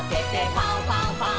「ファンファンファン！